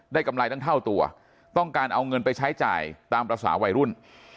กำไรตั้งเท่าตัวต้องการเอาเงินไปใช้จ่ายตามภาษาวัยรุ่น